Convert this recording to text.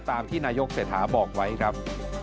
ตามที่นายกเศรษฐาบอกไว้ครับ